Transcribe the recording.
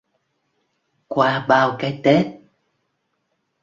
Qua bao cái Tết